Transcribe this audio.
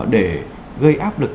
để gây áp lực